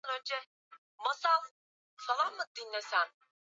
za dunia yote Kabla ya kupatikana kwa mafuta nchi ilikuwa maskini lakini